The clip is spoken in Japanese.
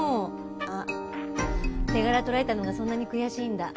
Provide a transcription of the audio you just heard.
あっ手柄取られたのがそんなに悔しいんだ。